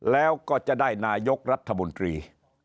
แล้วก็จะได้นายกรัฐมนตรี